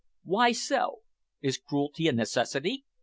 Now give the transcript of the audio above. "Why so? is cruelty a necessity?"